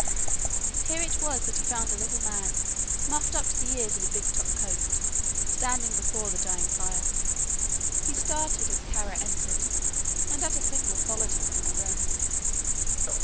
Here it was that he found a little man muffled up to the ears in a big top coat, standing before the dying fire. He started as Kara entered and at a signal followed him from the room.